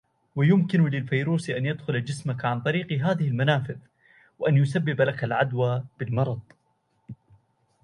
ويمكن للفيروس أن يدخل جسمك عن طريق هذه المنافذ وأن يسبب لك العدوى بالمرض.